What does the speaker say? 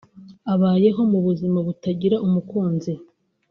abayeho mu buzima butagira umukunzi